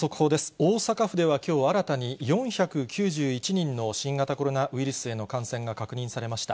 大阪府ではきょう、新たに４９１人の新型コロナウイルスへの感染が確認されました。